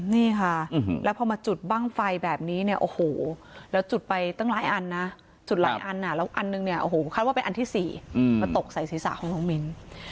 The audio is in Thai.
นี่ค่ะแล้วพอมาจุดบ้างไฟแบบนี้เนี่ยโอ้โหแล้วจุดไปตั้งหลายอันนะจุดหลายอันแล้วอันนึงเนี่ยโอ้โหคาดว่าเป็นอันที่๔มาตกใส่ศีรษะของน้องมิ้น